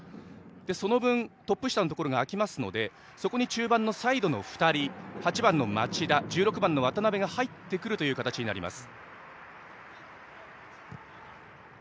その分、トップ下のところが空きますのでそこに中盤のサイドの２人８番の町田１６番の渡邉が入ってくる形になります。